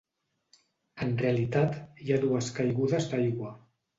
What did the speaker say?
En realitat, hi ha dues caigudes d'aigua.